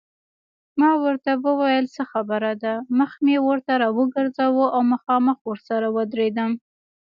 ما ورته وویل څه خبره ده، مخ مې ورته راوګرځاوه او مخامخ ورسره ودرېدم.